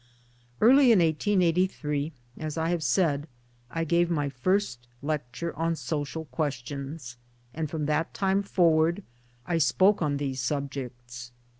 Early in 1883, as I have said, I gave my first lecture on social questions, and from that time for ward I spoke on these subjects.